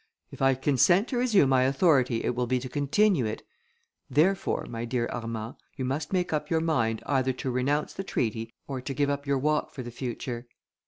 If I consent to resume my authority, it will be to continue it; therefore, my dear Armand, you must make up your mind, either to renounce the treaty, or to give up your walk for the future."